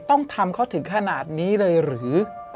ต้องทำเขาถึงขนาดนี้เลยหรือ